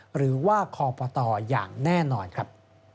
หรือว่าคอปตอย่างแน่นอนครับ